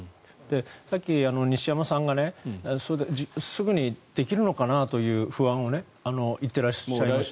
さっき、石山さんがすぐにできるのかなという不安を言ってらっしゃいました。